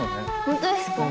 本当ですか！？